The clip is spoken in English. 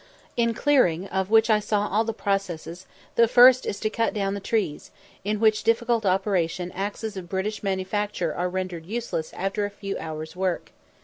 In clearing, of which I saw all the processes, the first is to cut down the trees, in which difficult operation axes of British manufacture are rendered useless after a few hours' work.